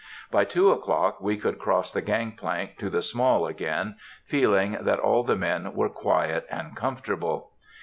By two o'clock we could cross the gang plank to the Small again, feeling that all the men were quiet and comfortable.